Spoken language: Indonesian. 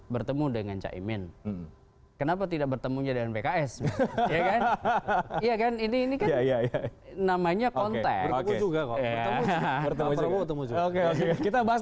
bertemu dengan cak imin kenapa tidak bertemunya dengan pks ya kan ini namanya konteks kita bahas